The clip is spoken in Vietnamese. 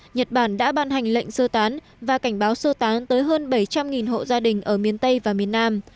nhật bản đã ban hành lệnh sơ tán và cảnh báo sơ tán tới hơn bảy trăm linh hộ gia đình ở miền tây và miền nam